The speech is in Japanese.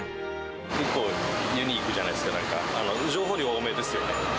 結構ユニークじゃないですか、なんか情報量多めですよね。